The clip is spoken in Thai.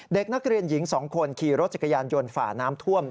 เด็กนักเรียนหญิง๒คนขี่รถจักรยานยนต์ฝ่าน้ำท่วม